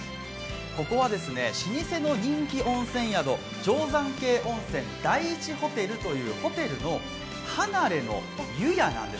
ここは老舗の人気温泉宿、定山渓第一寳亭留というホテルの離れの湯屋なんです。